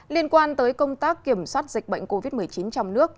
liên quan tới công tác kiểm soát dịch bệnh covid một mươi chín trong nước